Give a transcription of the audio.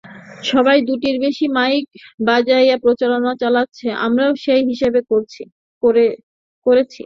সবাই দুটির বেশি মাইক বাজিয়ে প্রচারণা চালাচ্ছে, আমরাও সেই হিসেবে করেছি।